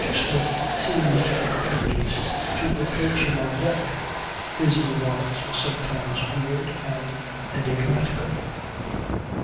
Smith seized opportunities to approach him on deck. His remarks were sometimes weird and enigmatical.